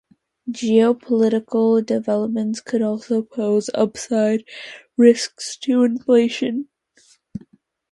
Geopolitical developments could also pose upside risks to inflation.